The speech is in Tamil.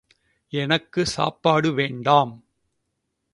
எனக்கு சாப்பாடு வேண்டாம்.